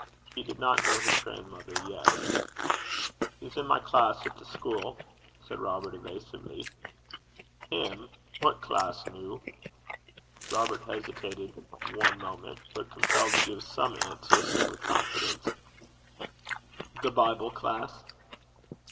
He did not know his grandmother yet. 'He's in my class at the schuil,' said Robert, evasively. 'Him? What class, noo?' Robert hesitated one moment, but, compelled to give some answer, said, with confidence, 'The Bible class.'